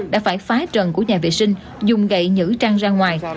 đã phải phái trần của nhà vệ sinh dùng gậy nhữ trăng ra ngoài